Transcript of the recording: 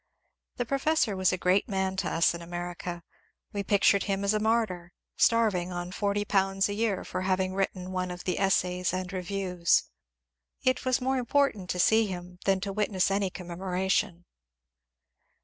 The pro fessor was a great man to us in America ; we pictured him as a martyr, starving on forty pounds a year for having written one of the ^^ Essays and Reviews/' It was more important to see him than to witness any commemoration.